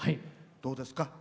どうですか？